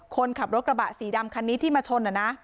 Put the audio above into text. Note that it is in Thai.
คนขับรถกระบะสีดำคันนี้ที่มาชน